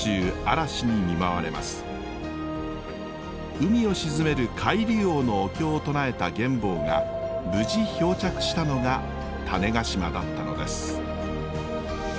海を鎮める海龍王のお経を唱えた玄が無事漂着したのが種子島だったのです。